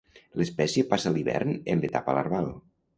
L'espècie passa l'hivern en l'etapa larval.